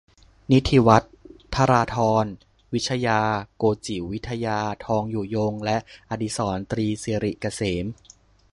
นิธิวัฒน์ ธราธร วิชชา โกจิ๋ว วิทยา ทองอยู่ยง และ อดิสรณ์ ตรีสิริเกษม